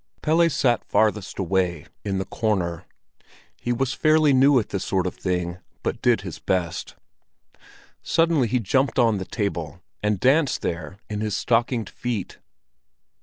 Pelle sat farthest away, in the corner. He was fairly new at this sort of thing, but did his best. Suddenly he jumped on to the table, and danced there in his stockinged feet.